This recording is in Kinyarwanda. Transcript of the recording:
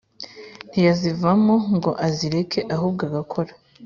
ntiyazivamo ngo azireke ahubwo agakora